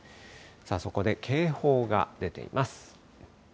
そこで警報が出ています。